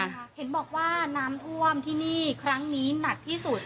เห็นบอกว่าน้ำท่วมที่นี่ครั้งนี้หนักที่สุด